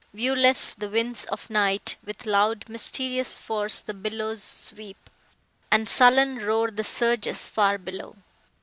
Viewless, the winds of night With loud mysterious force the billows sweep, And sullen roar the surges, far below.